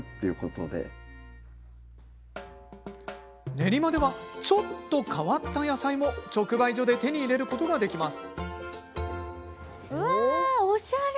練馬ではちょっと変わった野菜も直売所で手に入れることができます。